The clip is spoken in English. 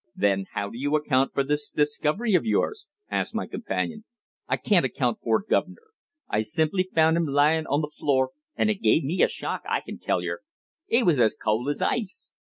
"Then how do you account for this discovery of yours?" asked my companion. "I can't account for it, guv'nor. I simply found 'im lying on the floor, and it give me a shock, I can tell yer. 'E was as cold as ice."